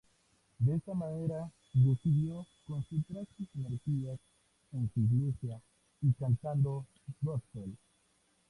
De esta manera, decidió concentrar sus energías en su iglesia y cantando gospel.